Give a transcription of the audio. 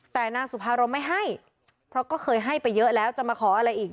แต่นางสุภารมไม่ให้เพราะก็เคยให้ไปเยอะแล้วจะมาขออะไรอีก